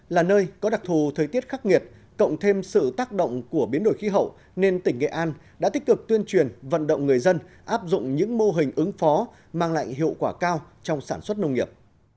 là nơi có đặc thù thời tiết khắc nghiệt cộng thêm sự tác động của biến đổi khí hậu nên tỉnh nghệ an đã tích cực tuyên truyền vận động người dân áp dụng những mô hình ứng phó mang lại hiệu quả cao trong sản xuất nông nghiệp